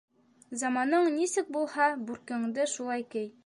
Заманың нисек булһа, бүркеңде шулай кей.